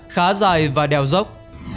khá dài và đèo dốc